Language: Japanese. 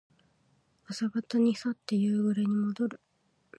朝方に去って夕暮れにもどる。